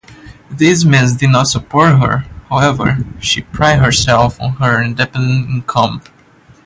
These men did not support her, however; she prided herself on her independent income.